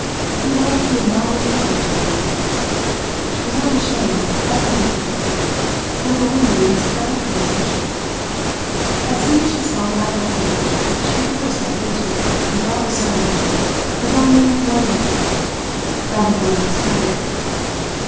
He was the embodied evil of the world. She was not ashamed of her duplicity. With a woman's frank courage, as soon as she saw that opening she threw herself into it without reserve, with only one doubt that of her own strength.